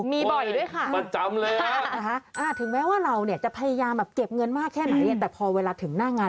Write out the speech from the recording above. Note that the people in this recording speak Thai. มีบ่อยด้วยค่ะ